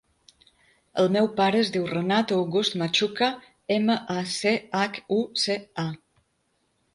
El meu pare es diu Renat August Machuca: ema, a, ce, hac, u, ce, a.